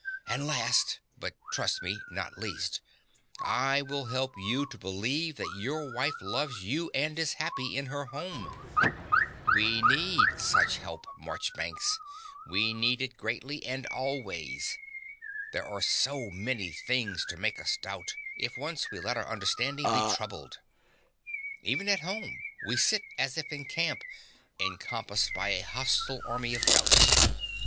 And last, but trust me, not least, I will help you to believe that your wife loves you and is happy in her home. We need such help, Marchbanks: we need it greatly and always. There are so many things to make us doubt, if once we let our understanding be troubled. Even at home, we sit as if in camp, encompassed by a hostile army of doubts.